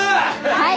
はい！